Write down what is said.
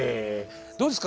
どうですか？